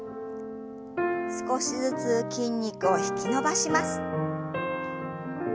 少しずつ筋肉を引き伸ばします。